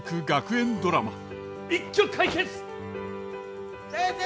一挙解決！